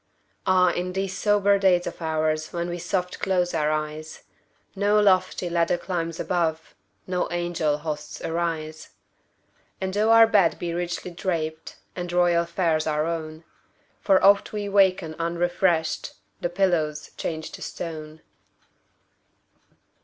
Ah, in these sober days of oursWhen we soft close our eyes, No lofty ladder climbs above, No angel hosts arise. And tho our bed be richly drapedAnd royal fares our own, For oft we waken unrefreshed—The pillow's changed to stone!